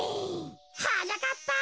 はなかっぱ！